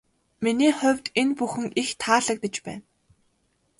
Миний хувьд энэ бүхэн их таалагдаж байна.